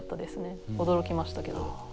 驚きましたけど。